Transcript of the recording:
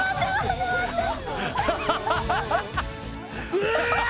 うわ！